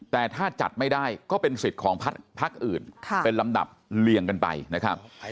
แต่ถ้าจัดไม่ได้ก็เป็นสิทธิ์ของพักอื่นเป็นลำดับเลี่ยงกันไปนะครับ